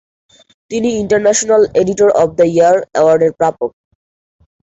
তিনি international editor of the year অ্যাওয়ার্ডের প্রাপক।